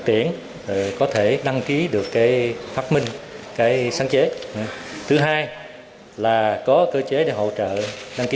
tiễn có thể đăng ký được cái phát minh cái sáng chế thứ hai là có cơ chế để hỗ trợ đăng ký